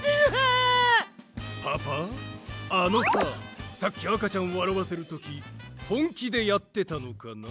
あのささっきあかちゃんわらわせるときほんきでやってたのかな？